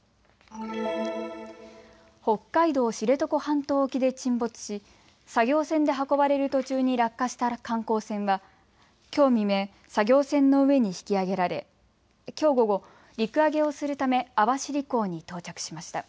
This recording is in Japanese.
北海道知床半島沖で沈没し作業船で運ばれる途中に落下した観光船はきょう未明、作業船の上に引き揚げられきょう午後陸揚げをするため網走港に到着しました。